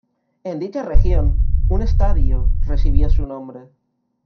En dicha región, un estadio recibió su nombre.